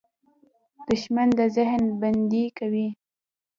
• دښمني د ذهن بندي کوي.